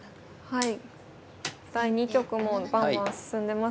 はい。